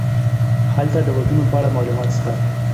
هلته د ودونو په اړه معلومات سته.